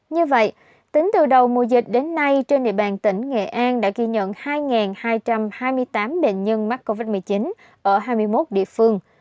như vậy tính từ đầu mùa dịch đến nay trên địa bàn tỉnh nghệ an đã ghi nhận hai hai trăm hai mươi tám bệnh nhân mắc covid một mươi chín ở hai mươi một địa phương